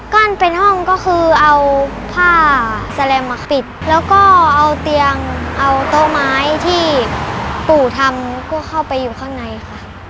กั้นเป็นห้องก็คือเอาผ้าแสลมมาปิดแล้วก็เอาเตียงเอาโต๊ะไม้ที่ปู่ทำก็เข้าไปอยู่ข้างในค่ะ